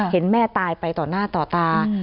เห็นแม่ตายไปต่อหน้าต่อตา